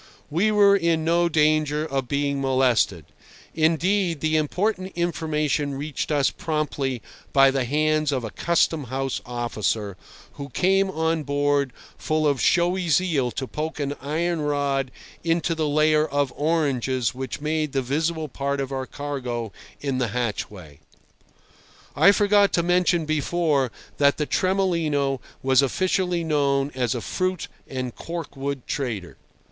We were in no danger of being molested; indeed, the important information reached us promptly by the hands of a Custom house officer, who came on board full of showy zeal to poke an iron rod into the layer of oranges which made the visible part of our cargo in the hatchway. I forgot to mention before that the Tremolino was officially known as a fruit and cork wood trader.